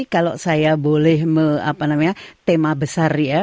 kalau saya boleh tema besar ya